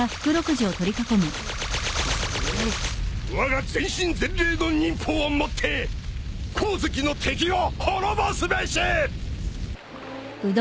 わが全身全霊の忍法をもって光月の敵を滅ぼすべし！